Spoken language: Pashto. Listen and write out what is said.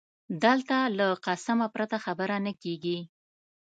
دلته له قسمه پرته خبره نه کېږي